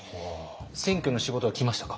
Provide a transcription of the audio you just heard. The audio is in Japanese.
選挙の仕事は来ましたか？